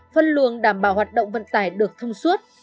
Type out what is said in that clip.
phân luồng đảm bảo hoạt động vận tải được thông suốt